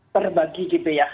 terbagi gitu ya